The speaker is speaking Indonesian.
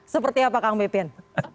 seperti apa kang pipin